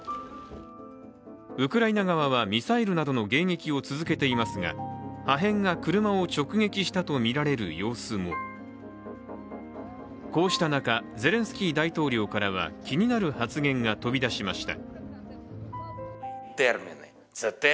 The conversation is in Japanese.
ウクライナ側はミサイルなどの迎撃を続けていますが破片が車を直撃したとみられる様子もこうした中、ゼレンスキー大統領からは気になる発言が飛びだしました。